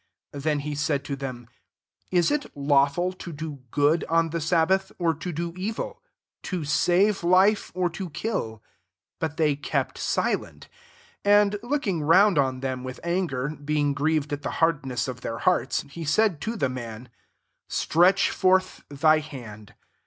4 Then he said to them, " Is It lawful to do good on the sab* bath, or to do evil I to save life, or to kill ?" But they kept silent. 5 And looking round on them, with anger, he&ig grieved at the hardness of their hearts, he said to the mtik " Stretch forth thy hand.'